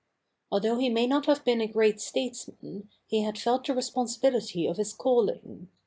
Although he may not have been a great statesman, he had felt the responsibility of his calling.